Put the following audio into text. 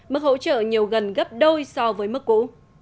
mức hỗ trợ nhiều gần gấp đôi so với mức cũ